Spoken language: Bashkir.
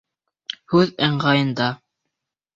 Һүҙ ыңғайында.